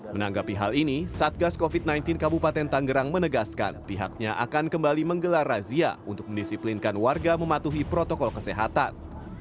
menanggapi hal ini satgas covid sembilan belas kabupaten tanggerang menegaskan pihaknya akan kembali menggelar razia untuk mendisiplinkan warga mematuhi protokol kesehatan